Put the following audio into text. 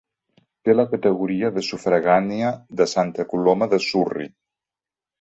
Té la categoria de sufragània de Santa Coloma de Surri.